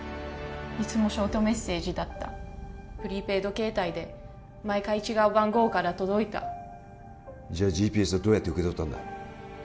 いつもショートメッセージだったプリペイド携帯で毎回違う番号から届いたじゃあＧＰＳをどうやって受け取ったんだ？